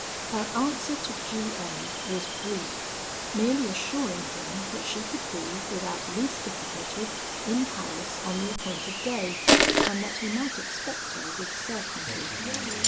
"Her answer to G M was brief, merely assuring him that she could be, without the least difficulty, in Paris on the appointed day and that he might expect her with certainty.